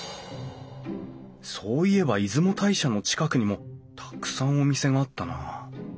そういえば出雲大社の近くにもたくさんお店があったなあ